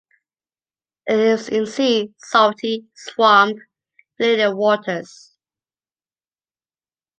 It lives in sea, salty, swamp related waters.